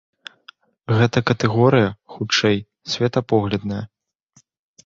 Гэта катэгорыя, хутчэй, светапоглядная.